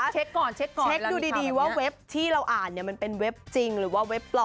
เช็คดูดีว่าเว็บที่เราอ่านเนี่ยมันเป็นเว็บจริงหรือว่าเว็บปลอ